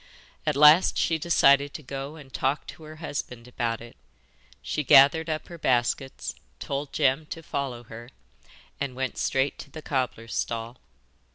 At last she decided to go and talk to her husband about it. She gathered up her baskets, told Jem to follow her, and went straight to the cobbler's stall.